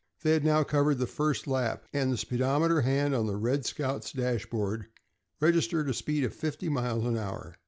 They had now covered the first lap, and the speedometer hand on the "Red Scout's" dashboard registered a speed of fifty miles an hour.